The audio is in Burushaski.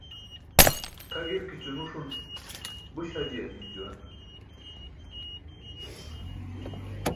Tʰa gi̇rki̇ćo nuṣun buś hajiyar nim juwan.